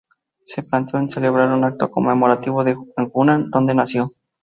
Se planeó celebrar un acto conmemorativo en Hunan, donde nació.